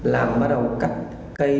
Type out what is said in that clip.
làm bắt đầu cắt cây